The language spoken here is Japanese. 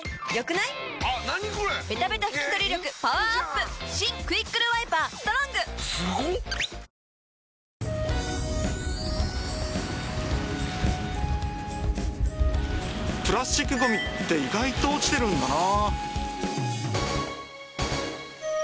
プラスチックごみって意外と落ちてるんだな